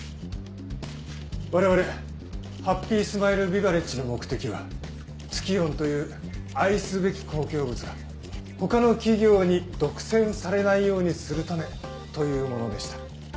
我々ハッピースマイルビバレッジの目的はツキヨンという愛すべき公共物が他の企業に独占されないようにするためというものでした。